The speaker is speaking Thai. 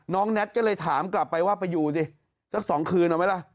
แน็ตก็เลยถามกลับไปว่าไปอยู่สิสัก๒คืนเอาไหมล่ะ